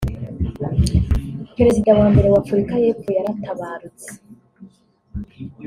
perezida wa mbere wa Afurika y’epfo yaratabarutse